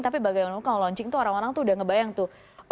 tapi bagaimana kalau launching tuh orang orang tuh udah ngebayang tuh